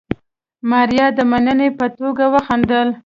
ماريا د مننې په توګه وخندل.